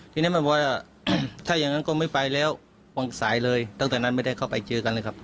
ทีนี้มันบอกว่าถ้าอย่างนั้นก็ไม่ไปแล้ววางสายเลยตั้งแต่นั้นไม่ได้เข้าไปเจอกันเลยครับ